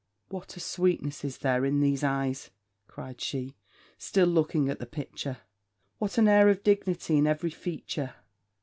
What a sweetness is there in these eyes!' cried she, still looking on the picture. 'What an air of dignity in every feature!